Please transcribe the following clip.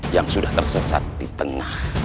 yang sudah tersesat di tengah